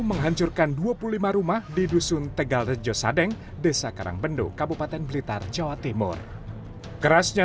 menghancurkan dua puluh lima rumah di dusun tegal rejo sadeng desa karangbendo kabupaten blitar jawa timur kerasnya